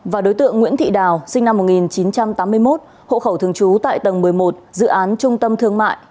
và đối tượng nguyễn thị đào sinh năm một nghìn chín trăm tám mươi một hộ khẩu thường trú tại tầng một mươi một dự án trung tâm thương mại